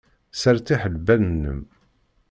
Sseṛtiḥ lbal-nnem.